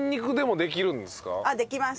できます。